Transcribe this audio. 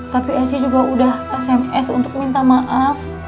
tapi sc juga udah sms untuk minta maaf